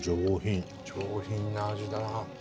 上品な味だな。